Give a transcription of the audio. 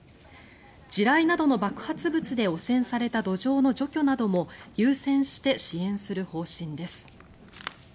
地雷などの爆発物で汚染された土壌の除去なども優先して支援する方針です。